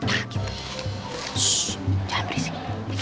shh jangan berisik